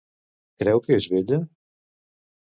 Creu que és bella?